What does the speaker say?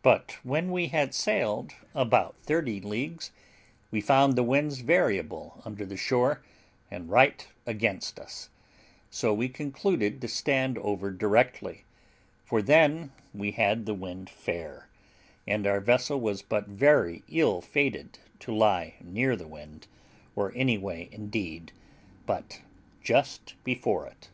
But when we had sailed about thirty leagues, we found the winds variable under the shore, and right against us, so we concluded to stand over directly, for then we had the wind fair, and our vessel was but very ill fated to lie near the wind, or any way indeed but just before it.